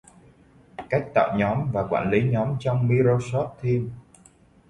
Cách tạo nhóm và quản lý nhóm trong Microsoft Teams